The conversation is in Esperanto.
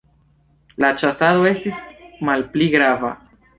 La ĉasado estis malpli grava.